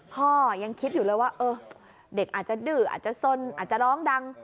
พ่อยังคิดอยู่เลยว่าเออเด็กอาจจะดื้ออาจจะสนอาจจะร้องดัง